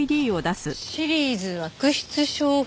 『シリーズ悪質商法』。